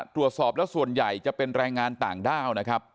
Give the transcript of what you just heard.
ตรวจสอบแล้วส่วนใหญ่จะเป็นแรงงานต่างด้าวนะครับ